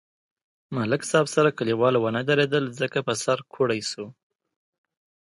ملک صاحب سره کلیوال و نه درېدل ځکه په سر کوړئ شو.